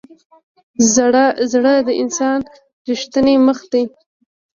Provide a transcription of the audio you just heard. زړه د انسان ریښتینی مخ دی.